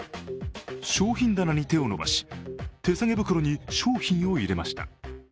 商品棚に手を伸ばし手提げ袋に商品を入れました。